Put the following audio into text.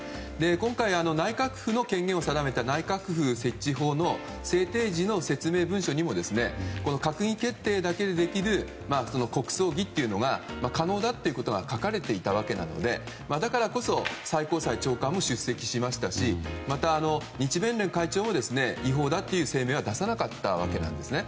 今回、内閣府の権限を定めた内閣府設置法の制定時の説明文書にも閣議決定だけでできる国葬儀というのが可能だということが書かれていたわけなのでだからこそ、最高裁長官も出席しましたしまた、日弁連会長も違法だという声明を出さなかったわけですね。